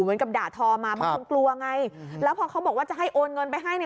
เหมือนกับด่าทอมาบางคนกลัวไงแล้วพอเขาบอกว่าจะให้โอนเงินไปให้เนี่ย